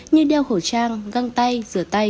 như đeo khẩu trang găng tay rửa tay